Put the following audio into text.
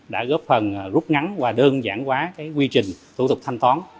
đã góp phần rút ngắn và đơn giản quá quy trình thủ tục thanh toán